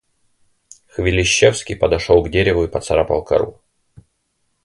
Хвилищевский подошёл к дереву и поцарапал кору.